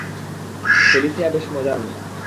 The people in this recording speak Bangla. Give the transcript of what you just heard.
ফেলিসিয়া বেশ মজার মেয়ে।